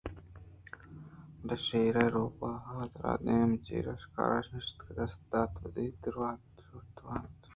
بلے شیر ءَ رُوباہ ءَ را دائم چرے شکاراں تُشے دست ءَ دات ءُ وت درٛہ زُرت ءُ وارتنت